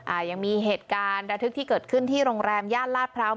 อ่ายังมีเหตุการณ์ระทึกที่เกิดขึ้นที่โรงแรมย่านลาดพร้าว